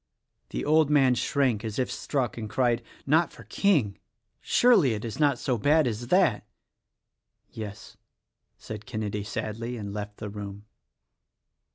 The old man shrank as if struck and cried, "Not for King? surely it is not so bad as that!" "Yes!" said Kenedy sadly; and left the room.